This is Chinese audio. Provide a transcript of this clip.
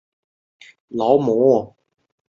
担任劳模。